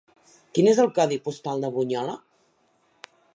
Quin és el codi postal de Bunyola?